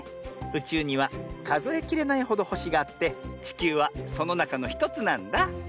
うちゅうにはかぞえきれないほどほしがあってちきゅうはそのなかのひとつなんだ。